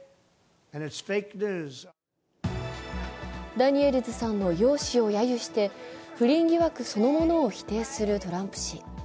ダニエルズさんの容姿をやゆして、不倫疑惑そのものを否定するトランプ氏。